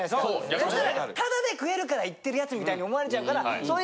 そしたらタダで食えるから行ってる奴みたいに思われちゃうから。